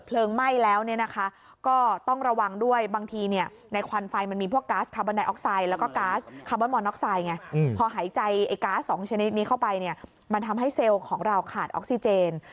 เพราะฉะนั้นอีกนิดนึงเข้าไปเนี่ยมันทำให้เซลล์ของเราขาดออกซิเจน